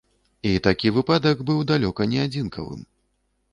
І такі выпадак быў далёка не адзінкавым.